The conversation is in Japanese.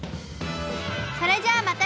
それじゃあまたみてね！